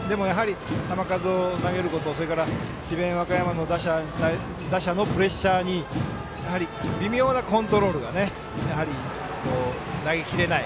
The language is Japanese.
球数を投げることそれから、智弁学園の打者のプレッシャーにやはり微妙なコントロールが投げきれない。